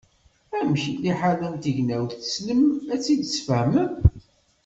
Amek, liḥala n tegnawt tessnem ad tt-id-tesfehmem.